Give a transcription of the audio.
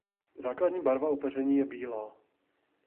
Základní barva opeření je bílá.